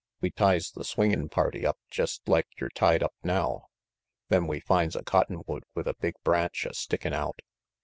We ties the swingin' party up jest like yer tied up now. Then we finds a cottonwood with a big branch a stickin' out.